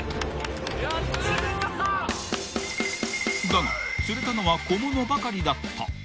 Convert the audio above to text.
［だが釣れたのは小物ばかりだった］